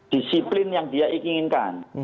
disiplin yang dia inginkan